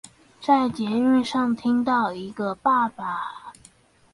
在捷運上聽到一個爸爸